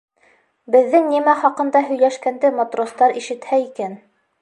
Беҙҙең нимә хаҡында һөйләшкәнде матростар ишетһә икән.